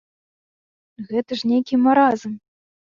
Гэта ж нейкі маразм.